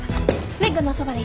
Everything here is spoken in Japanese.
蓮くんのそばに！